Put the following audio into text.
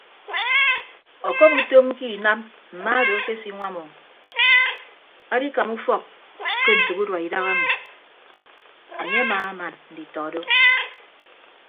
Ọkọm utom ke inam mma odo akesinwam o adikama ufọk ke ntәk urua idaha ami anye amaaman nditọ do.